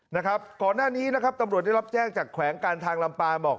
นะครับก่อนหน้านี้นะครับตำรวจได้รับแจ้งจากแขวงการทางลำปางบอก